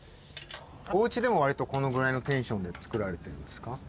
おうちでもわりとこのぐらいのテンションで作られてるんですか？